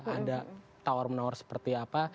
ada tawar menawar seperti apa